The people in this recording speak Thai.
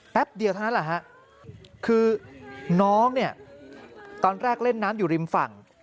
แป๊บเดียวเท่านั้นคือน้องตอนแรกเล่นน้ำอยู่ริมฝั่ง